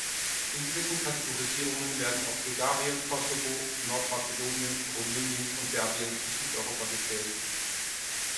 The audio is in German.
In gewissen Kategorisierungen werden auch Bulgarien, Kosovo, Nordmazedonien, Rumänien und Serbien zu Südeuropa gezählt.